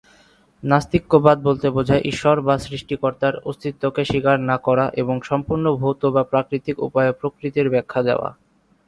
নাস্তিক্যবাদ বলতে বোঝায় ঈশ্বর বা সৃষ্টিকর্তার অস্তিত্বকে স্বীকার না করা এবং সম্পূর্ণ ভৌত বা প্রাকৃতিক উপায়ে প্রকৃতির ব্যাখ্যা দেওয়া।